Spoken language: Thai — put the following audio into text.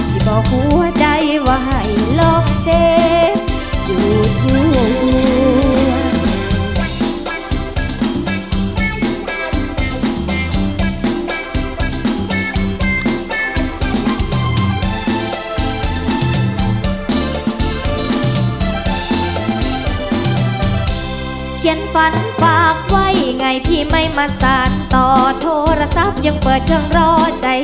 ที่บอกหัวใจว่าให้หลอกเจ็บอยู่ทั่วหัว